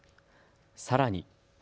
さらに。